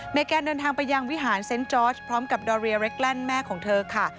แกนเดินทางไปยังวิหารเซ็นต์จอร์ชพร้อมกับดอเรียเรคแลนด์แม่ของเธอค่ะ